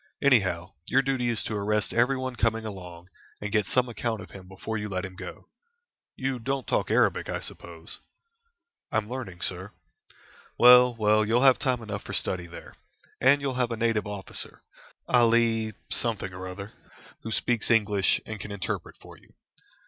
Anyhow, your duty is to arrest everyone coming along, and get some account of him before you let him go. You don't talk Arabic, I suppose?" "I am learning, sir." "Well, well, you'll have time enough for study there. And you'll have a native officer, Ali something or other, who speaks English, and can interpret for you.